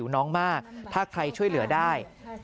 หยุดอะไรไม่ได้